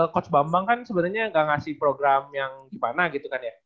coach bambang kan sebenarnya nggak ngasih program yang gimana gitu kan ya